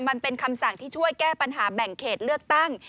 มันเป็นคำสั่งที่ช่วยแก้ปัญหาแบ่งเขตเลือกตั้ง